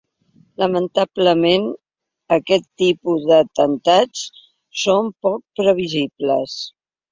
Lamentablement aquest tipus d’atemptats són poc previsibles.